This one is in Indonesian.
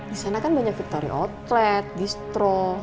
di sana kan banyak victory outlet distro